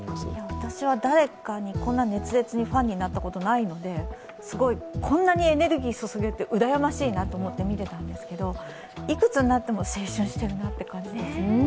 私は誰かにこんなに熱烈にファンになったことないのですごい、こんなにエネルギー注げるってうらやましいなと思ってみてたんですけどいくつになっても青春って感じですね。